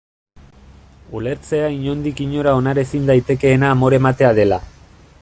Ulertzea inondik inora onar ezin daitekeena amore ematea dela.